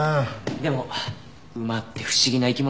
でも馬って不思議な生き物ですよね。